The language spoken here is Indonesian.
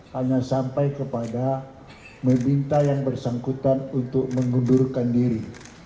hanya sampai kepada meminta yang bersangkutan untuk mengundurkan diri